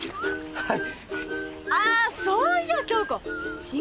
はい。